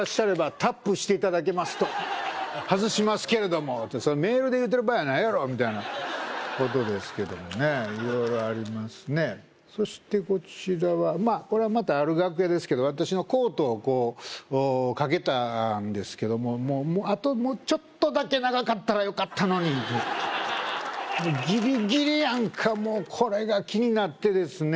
「タップしていただけますと外しますけれども」ってそれメールで言うてる場合やないやろみたいなことですけどもね色々ありますねそしてこちらはまあこれはまたある楽屋ですけど私のコートをこうかけたんですけどもあともうちょっとだけ長かったらよかったのにっていうギリギリやんかもうこれが気になってですね